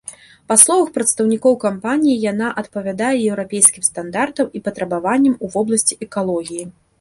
Па словах прадстаўнікоў кампаніі, яна адпавядае еўрапейскім стандартам і патрабаванням у вобласці экалогіі.